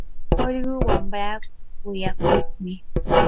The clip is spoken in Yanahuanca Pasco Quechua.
ullqu wamraa kuyakuqmi.